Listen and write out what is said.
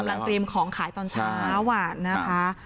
กำลังเตรียมของขายตอนเช้านะคะ